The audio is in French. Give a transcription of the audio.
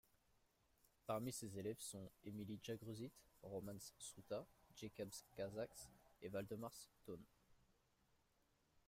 Parmi ses élèves sont Emīlija Gruzīte, Romans Suta, Jēkabs Kazaks et Valdemārs Tone.